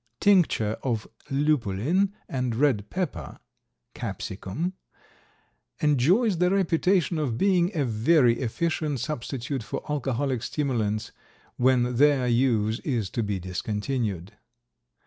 Tincture of lupulin and red pepper (capsicum) enjoys the reputation of being a very efficient substitute for alcoholic stimulants when their use is to be discontinued.